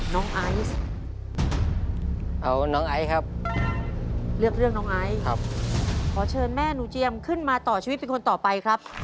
น้องไอ